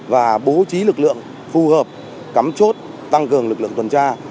và bố trí lực lượng phù hợp cắm chốt tăng cường lực lượng tuần tra